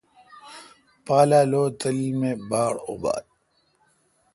پالا لو تلیل می باڑ ابال؟